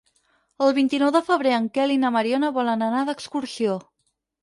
El vint-i-nou de febrer en Quel i na Mariona volen anar d'excursió.